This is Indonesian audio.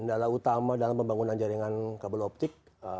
kendala utama dalam pembangunan jaringan kabel optik